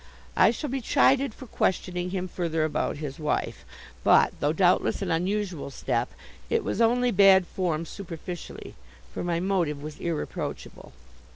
I shall be chided for questioning him further about his wife, but, though doubtless an unusual step, it was only bad form superficially, for my motive was irreproachable.